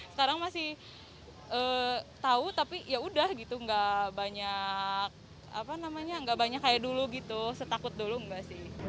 sekarang masih tau tapi yaudah gitu nggak banyak kayak dulu gitu setakut dulu nggak sih